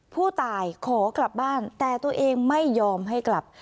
ผู้ตายขอกลับบ้านแต่ตัวเองไม่ยอมให้กลับ